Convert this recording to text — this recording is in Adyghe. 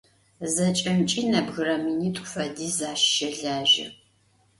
Зэкӏэмкӏи нэбгырэ минитӏу фэдиз ащ щэлажьэ.